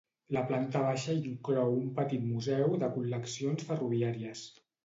La planta baixa inclou un petit museu de col·leccions ferroviàries.